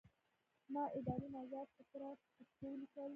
ما اداري موضوعات په کره پښتو ولیکل.